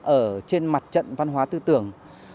ở trên mặt trận văn hóa tư tưởng